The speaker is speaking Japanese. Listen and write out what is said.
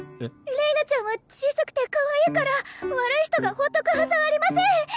れいなちゃんは小さくてかわいいから悪い人が放っとくはずありません！